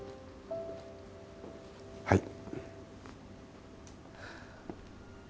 はい。